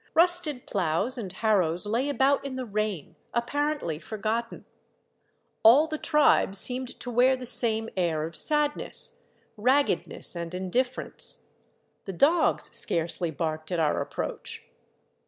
Rusted ploughs and harrows lay about in the rain, appar ently forgotten. All the tribe seemed to wear the same air of sadness, raggedness, and indifference. The dogs scarcely barked at our approach.